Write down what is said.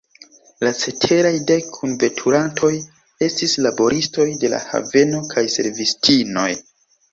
La ceteraj dek kunveturantoj estis laboristoj de la haveno kaj servistinoj.